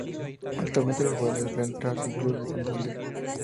Actualmente es jugador del Real Racing Club de Santander.